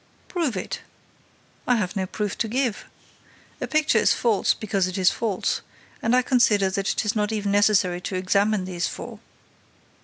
"Prove it!" "I have no proof to give. A picture is false because it is false; and I consider that it is not even necessary to examine these four."